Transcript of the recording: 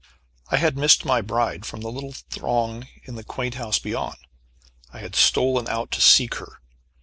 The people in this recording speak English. I had missed my bride from the little throng in the quaint house beyond. I had stolen out to seek her.